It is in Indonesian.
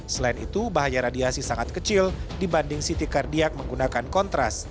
yaitu bahaya radiasi sangat kecil dibanding ct kardiak menggunakan kontras